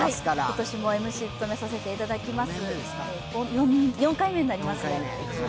今年もＭＣを務めさせていただきます。